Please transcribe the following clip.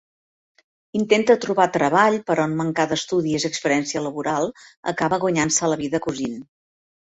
Intenta trobar treball però en mancar d'estudis i experiència laboral acaba guanyant-se la vida cosint.